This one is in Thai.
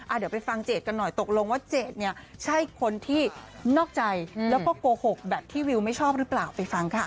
เดี๋ยวไปฟังเจดกันหน่อยตกลงว่าเจดเนี่ยใช่คนที่นอกใจแล้วก็โกหกแบบที่วิวไม่ชอบหรือเปล่าไปฟังค่ะ